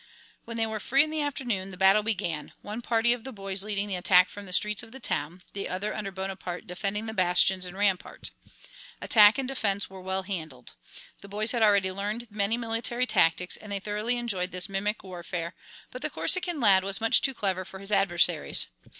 When they were free in the afternoon the battle began, one party of the boys leading the attack from the streets of the town, the other under Bonaparte defending the bastions and rampart. Attack and defense were well handled. The boys had already learned many military tactics and they thoroughly enjoyed this mimic warfare, but the Corsican lad was much too clever for his adversaries.